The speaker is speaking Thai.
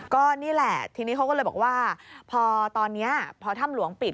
ก็นี่แหละทีนี้เขาก็เลยบอกว่าพอตอนนี้พอถ้ำหลวงปิด